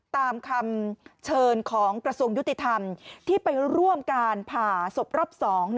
ตามคำเชิญของกระทรวงยุติธรรมที่ไปร่วมการผ่าศพรอบ๒